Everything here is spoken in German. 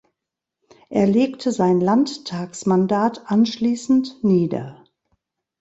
Er legte sein Landtagsmandat anschließend nieder.